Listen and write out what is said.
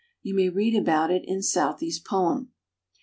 You may read about it in Southey's poem.